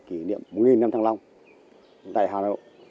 kỷ niệm một năm thăng long tại hà nội